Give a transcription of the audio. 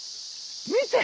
見て！